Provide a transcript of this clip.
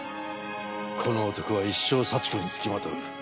この男は一生幸子に付きまとう。